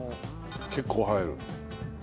結構入る。